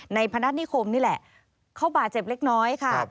พนัฐนิคมนี่แหละเขาบาดเจ็บเล็กน้อยค่ะ